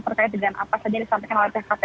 perkenalan apa saja disampaikan oleh pskp